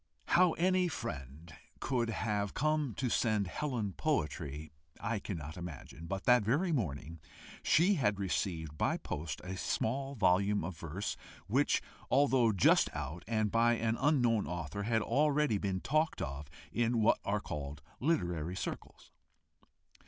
How any friend could have come to send Helen poetry I cannot imagine, but that very morning she had received by post a small volume of verse, which, although just out, and by an unknown author, had already been talked of in what are called literary circles.